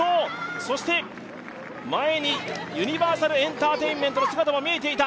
そして前にユニバーサルエンターテインメントの柴田も見えていた。